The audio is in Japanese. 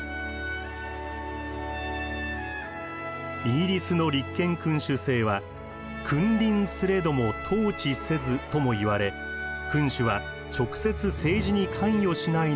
イギリスの立憲君主制は「君臨すれども統治せず」ともいわれ君主は直接政治に関与しないのが原則です。